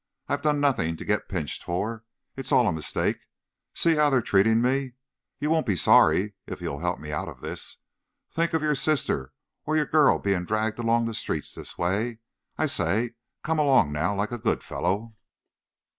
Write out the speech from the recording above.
I've done nothing to get pinched for. It's all a mistake. See how they're treating me! You won't be sorry, if you'll help me out of this. Think of your sister or your girl being dragged along the streets this way! I say, come along now, like a good fellow."